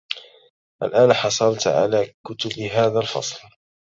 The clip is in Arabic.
الآن حصلت على كتب هذا الفصل.